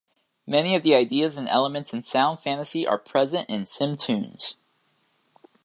Many of the ideas and elements in "Sound Fantasy" are present in "SimTunes".